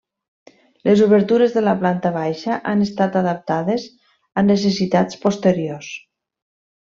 Les obertures de la planta baixa han estat adaptades a necessitats posteriors.